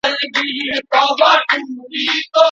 تجربې د وخت په تيريدو سره ثابتيږي.